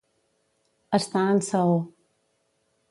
Estar en saó.